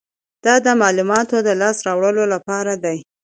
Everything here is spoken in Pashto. دا د معلوماتو د لاسته راوړلو لپاره دی.